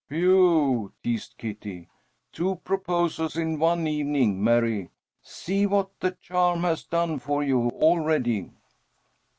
"Whew!" teased Kitty. "Two proposals in one evening, Mary. See what the charm has done for you already!"